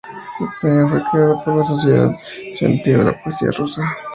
El premio fue creado por la Sociedad de incentivo de la poesía rusa.